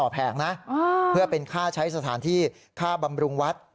แผงนะเพื่อเป็นค่าใช้สถานที่ค่าบำรุงวัด